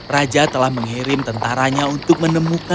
raja telah mengirim tentaranya untuk menjaga kaca